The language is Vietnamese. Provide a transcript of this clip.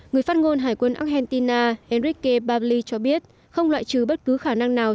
người phát ngôn hải quân argentina enrique pavli cho biết không loại trừ bất cứ khả năng nào